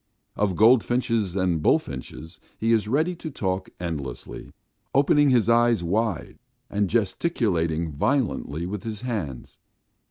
Of goldfinches and bullfinches he is ready to talk endlessly, opening his eyes wide and gesticulating violently with his hands.